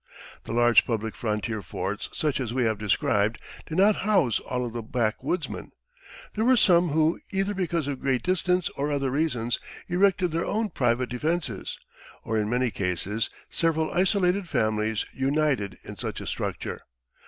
The large public frontier forts, such as we have described, did not house all of the backwoodsmen. There were some who, either because of great distance or other reasons, erected their own private defenses; or, in many cases, several isolated families united in such a structure.